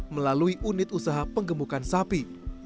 melalui unit usaha penggemukan sapi